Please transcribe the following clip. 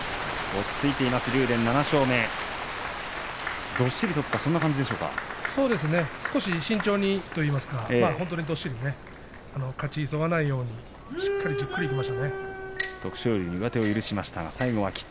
落ち着いています竜電、７勝目少し慎重にといいますか勝ち急がないようにしっかりじっくりいきましたね。